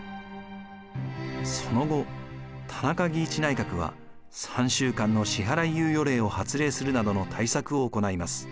その後田中義一内閣は３週間の支払い猶予令を発令するなどの対策を行います。